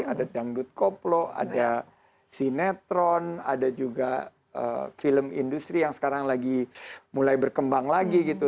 ada dangdut koplo ada sinetron ada juga film industri yang sekarang lagi mulai berkembang lagi gitu